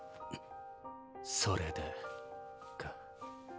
それでか。